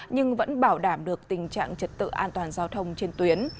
nhưng vẫn bảo đảm được tình trạng trật tự an toàn giao thông trên tuyến